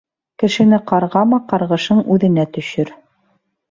Кешене ҡарғама, ҡарғышың үҙенә төшөр.